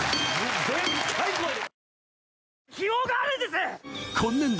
でっかい声で。